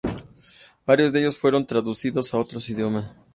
Varios de ellos fueron traducidos a otros idiomas.